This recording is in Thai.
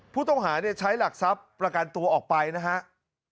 ผู้ต้องหาใช้หลักทรัพย์ประกันตัวออกไปนะครับ